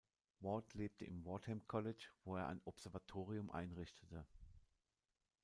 Ward lebte im Wadham College, wo er ein Observatorium einrichtete.